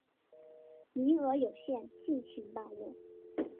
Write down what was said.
名额有限，敬请把握